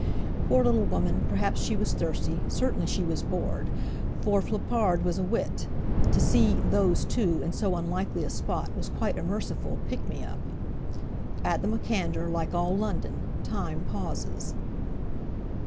Poor little woman, perhaps she was thirsty, certainly she was bored, for Flippard was a wit. To see "those two" in so unlikely a spot was quite a merciful "pick me up." At the MacAnder, like all London, Time pauses.